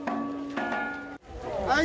はい。